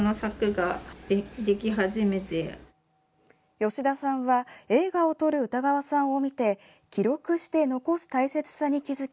吉田さんは映画を撮る歌川さんを見て記録して残す大切さに気付き